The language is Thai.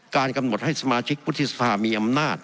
การกำหนดให้สมาชิกปุฏิศภาพูดแทนรัศดรมมีอำนาจ